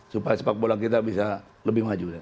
supaya sepak bola kita bisa lebih maju